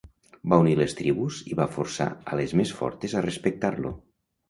Va unir les tribus i va forçar a les més fortes a respectar-lo.